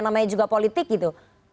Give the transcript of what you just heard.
namanya juga politik gitu